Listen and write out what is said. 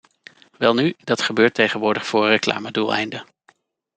Welnu, dat gebeurt tegenwoordig voor reclamedoeleinden.